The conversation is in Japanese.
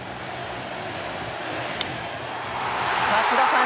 松田さん